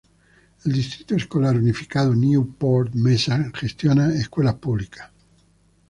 El Distrito Escolar Unificado Newport-Mesa gestiona escuelas públicas.